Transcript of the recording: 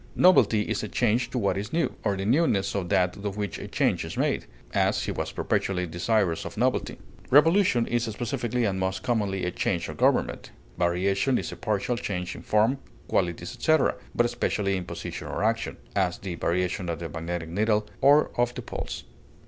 Novelty is a change to what is new, or the newness of that to which a change is made; as, he was perpetually desirous of novelty. Revolution is specifically and most commonly a change of government. Variation is a partial change in form, qualities, etc., but especially in position or action; as, the variation of the magnetic needle or of the pulse.